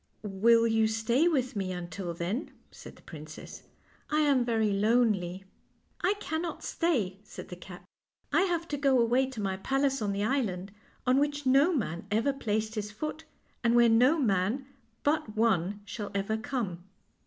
"Will you stay with me until then?' 1 said the princess. " I am very lonely." " I cannot stay," said the cat. " I have to go away to my palace on the island on which no man ever placed his foot, and where no man but one shall ever come."